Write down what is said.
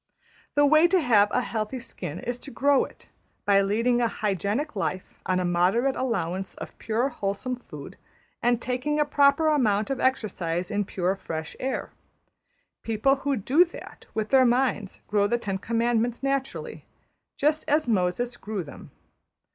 The way to have a healthy skin is to grow it, by leading a hygienic life on a moderate allowance of pure wholesome food, and taking a proper amount of exercise in pure fresh air. People who do that with their minds grow the Ten Commandments naturally, just as Moses grew them.